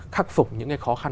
khắc phục những khó khăn